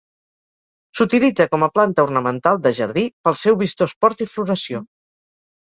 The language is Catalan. S'utilitza com a planta ornamental de jardí pel seu vistós port i floració.